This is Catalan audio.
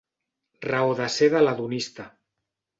Raó de ser de l'hedonista.